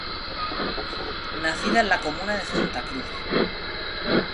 Nacida en la comuna de Santa Cruz.